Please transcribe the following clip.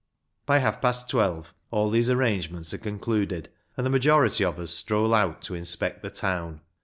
By half past twelve all these arrangements are concluded, and the majority of us stroll out to inspect the town.